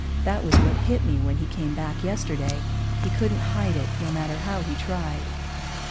That was what hit me when he came back yesterday. He couldn't hide it, no matter how he tried.)